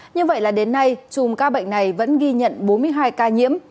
như vậy là đến nay chùm ca bệnh này vẫn ghi nhận bốn mươi hai ca nhiễm